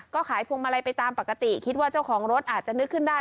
ก็ขายพวงมาลัยไปตามปกติคิดว่าเจ้าของรถอาจจะนึกขึ้นได้